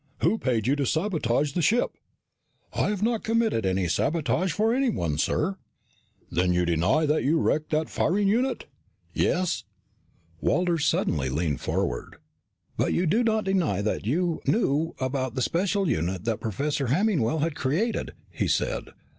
"Who paid you to sabotage the ship?" "I have not committed any sabotage for anyone, sir." "Then you deny that you wrecked that firing unit?" "Yes." Walters suddenly leaned forward. "But you do not deny that you knew about the special unit that Professor Hemmingwell had created," he said.